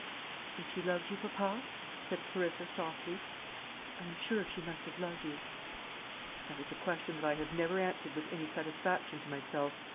"And she loved you, papa?" said Clarissa softly. "I am sure she must have loved you." "That is a question that I have never answered with any satisfaction to myself.